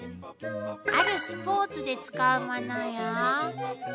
あるスポーツで使うモノよ。